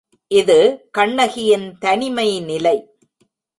இது கண்ணகியின் தனிமை நிலை.